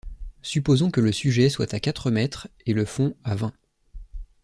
Supposons que le sujet soit à quatre mètres et le fond à vingt.